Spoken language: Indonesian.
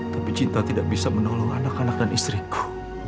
tapi cinta tidak bisa menolong anak anak dan istriku